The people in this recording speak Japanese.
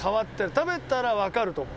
食べたらわかると思う。